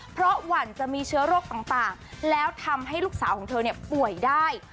เพราะหวั่นจะมีเชื้อโรคต่างแล้วทำให้ลูกสาวของเธอป่วยได้